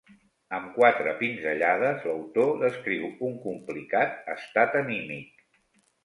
Amb quatre pinzellades l'autor descriu un complicat estat anímic.